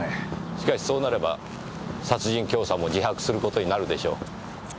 しかしそうなれば殺人教唆も自白する事になるでしょう。